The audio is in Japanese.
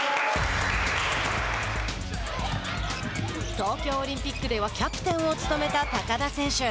東京オリンピックではキャプテンを務めた高田選手。